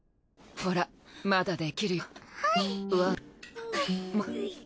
ほらまだできるよ。